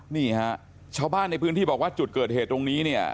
นี่ฮะชาวบ้านในพื้นที่บอกว่าจุดเกิดเหตุตรงนี้เนี่ย